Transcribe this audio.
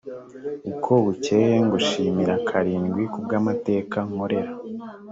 uko bukeye ngushimira karindwi kubw’amateka nkorera